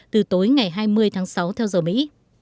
từ tối ngày hai mươi tháng sáu theo giờ mỹ